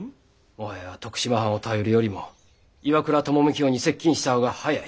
もはや徳島藩を頼るよりも岩倉具視に接近した方が早い。